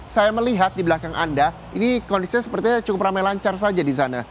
saya melihat di belakang anda ini kondisinya sepertinya cukup ramai lancar saja di sana